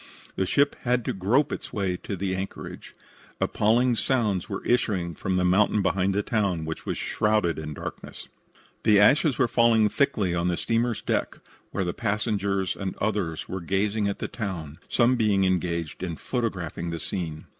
The ship had to grope its way to the anchorage. Appalling sounds were issuing from the mountain behind the town, which was shrouded in darkness. The ashes were falling thickly on the steamer's deck, where the passengers and others were gazing at the town, some being engaged in photographing the scene.